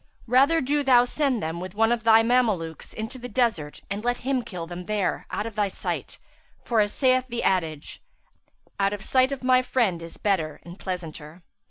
Rather do thou send them with one of thy Mamelukes into the desert and let him kill them there out of thy sight, for, as saith the adage, 'Out of sight of my friend is better and pleasanter.'